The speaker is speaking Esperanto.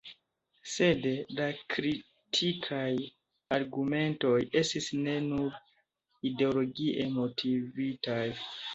Sed la kritikaj argumentoj estis ne nur ideologie motivitaj.